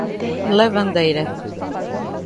Lavandeira